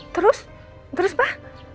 terus terus pak